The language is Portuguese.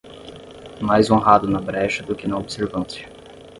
Mais honrado na brecha do que na observância